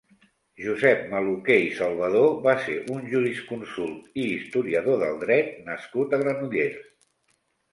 Josep Maluquer i Salvador va ser un jurisconsult i historiador del dret nascut a Granollers.